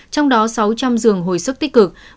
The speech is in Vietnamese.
trong đó sáu trăm linh giường hồi sức tích cực